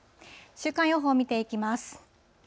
週間予報見ていきます。